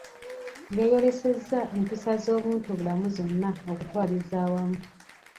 Yayolesezza empisa z'obuntubulamu zonna okutwaliza awamu.